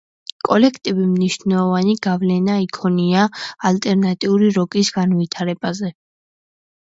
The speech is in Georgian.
კოლექტივი მნიშვნელოვანი გავლენა იქონია ალტერნატიული როკის განვითარებაზე.